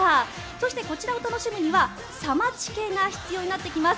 そして、こちらを楽しむにはサマチケが必要になってきます。